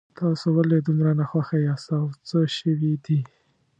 تاسو ولې دومره ناخوښه یاست او څه شوي دي